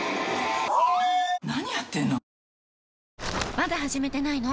まだ始めてないの？